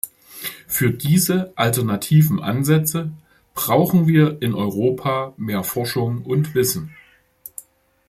Für diese alternativen Ansätze brauchen wir in Europa mehr Forschung und Wissen.